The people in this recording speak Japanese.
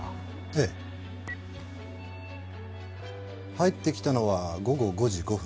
入ってきたのは午後５時５分。